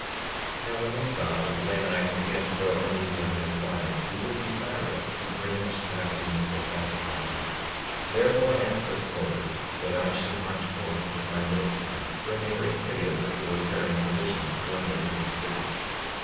56:30 Now when we saw that the Lamanites began to grow uneasy on this wise, we were desirous to bring a stratagem into effect upon them; therefore Antipus ordered that I should march forth with my little sons to a neighboring city, as if we were carrying provisions to a neighboring city.